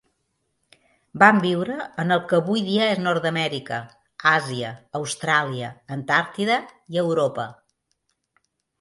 Van viure en el que avui dia és Nord-amèrica, Àsia, Austràlia, Antàrtida i Europa.